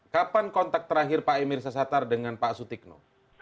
kapan kontak terakhir pak emery sattar dengan pak sutikno